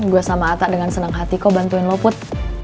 gue sama atta dengan senang hati kok bantuin luput